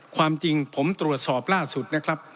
ความจริงผมตรวจสอบล่าสุดนะครับ